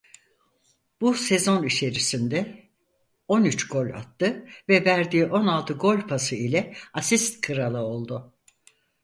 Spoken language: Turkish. Bu sezon içerisinde on üç gol attı ve verdiği on altı gol pası ile asist kralı oldu.